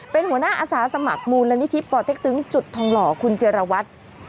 เป็นหัวหน้าอาสาสมัครมูลนิธิป่อเต็กตึงจุดทองหล่อคุณเจรวัตร